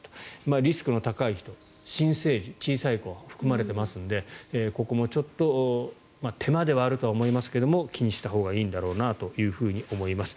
リスクの高い人、新生児小さい子が含まれていますのでここもちょっと手間ではあるとは思いますが気にしたほうがいいんだろうと思います。